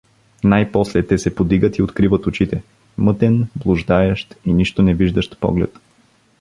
Най-после те се подигат и откриват очите — мътен, блуждаещ и нищо невиждащ поглед.